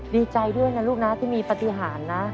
ดีใจด้วยนะลูกนะที่มีปฏิหารนะ